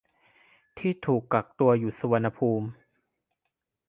ที่ถูกกักตัวอยู่สุวรรณภูมิ